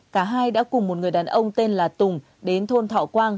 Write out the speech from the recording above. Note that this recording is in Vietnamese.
cả hai đã cùng một người đàn ông tên là tùng đến thôn thọ quang